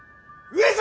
上様！